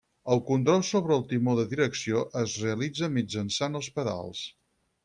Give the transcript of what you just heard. El control sobre el timó de direcció es realitza mitjançant els pedals.